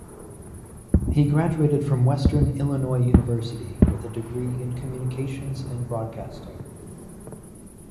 He graduated from Western Illinois University with a degree in Communications and Broadcasting.